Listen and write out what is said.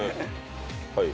はい。